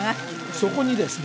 そこにですね